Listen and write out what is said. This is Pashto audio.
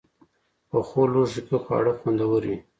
پخو لوښو کې خواړه خوندور وي